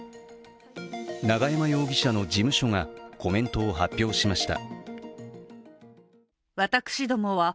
永山容疑者の事務所がコメントを発表しました。